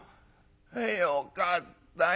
よかったよ。